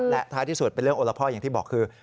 และท้ายที่สุดเป็นเรื่องโอละพ่ออย่างที่บอกคือ